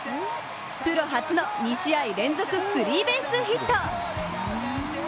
プロ初の２試合連続スリーベースヒット。